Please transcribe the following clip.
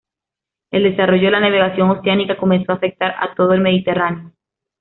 El desarrollo de la navegación oceánica comenzó a afectar a todo el Mediterráneo.